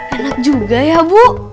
enak juga ya bu